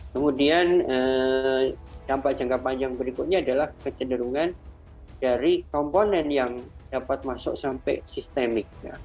kemudian dampak jangka panjang berikutnya adalah kecenderungan dari komponen yang dapat masuk sampai sistemik